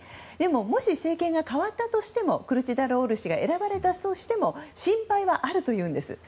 もし政権が変わったとしてもクルチダルオール氏が選ばれたとしても心配はあるというんです。